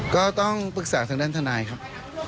ก็ต้องปรึกษาทางด้านทนายครับ